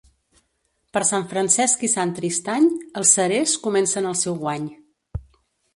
Per Sant Francesc i Sant Tristany, els cerers comencen el seu guany.